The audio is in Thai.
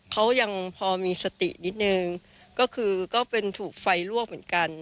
เขายังพอมีสตินิดนึงก็คือก็เป็นถูกไฟลวกเหมือนกัน